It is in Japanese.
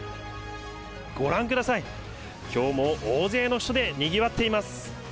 ご覧ください、きょうも大勢の人でにぎわっています。